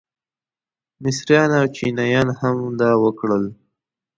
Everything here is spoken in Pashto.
مصریان او چینیان هم دا وکړل.